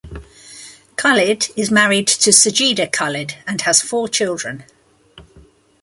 Khalid is married to Sajida Khalid and has four children.